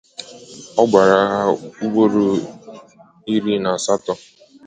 Ọ gbaara ha ugboro iri na asatọ.